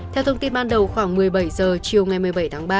theo thông tin ban đầu khoảng một mươi bảy h chiều ngày một mươi bảy tháng ba